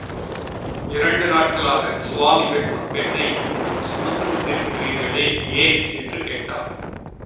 இரண்டு நாளாக்ச் கவாமிகள் அப்பெண்ணை இன்னும் சுமந்து கொண்டிருக்கிறீர்களே! —ஏன்? என்று கேட்டார்.